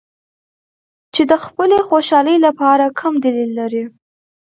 چې د خپلې خوشحالۍ لپاره کم دلیل لري.